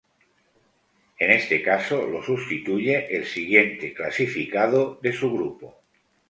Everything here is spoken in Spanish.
En este caso, lo sustituye el siguiente clasificado de su grupo.